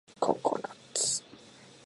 ココナッツ